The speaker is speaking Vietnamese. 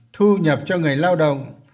thu nhập cho người lao động